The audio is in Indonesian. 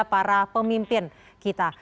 para pemimpin kita